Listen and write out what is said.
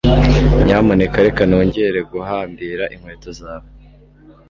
nyamuneka reka nongere guhambira inkweto zawe